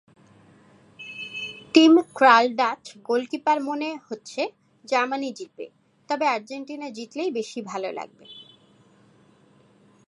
Team Krul Dutch গোলকিপারমনে হচ্ছে Germany জিতবে, তবে আর্জেন্টিনা জিতলেই বেশি ভালো লাগবে।